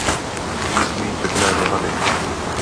Existují četné dohady.